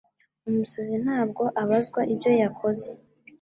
Umusazi ntabwo abazwa ibyo yakoze.